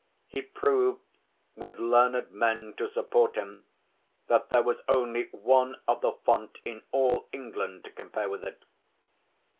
He proved, with learned men to support him, that there was only one other font in all England to compare with it.